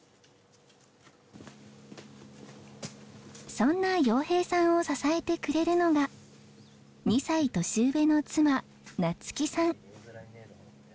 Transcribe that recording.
そんな洋平さんを支えてくれるのが２歳年上の妻なつきさん。